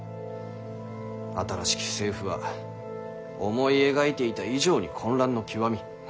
新しき政府は思い描いていた以上に混乱の極み。